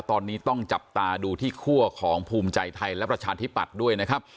ตอนนี้ต้องจับตาดูที่คั่วของภูมิใจไทยและประชาธิปัตย์ด้วยนะครับ